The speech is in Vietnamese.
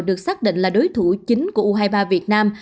được xác định là đối thủ chính của u hai mươi ba việt nam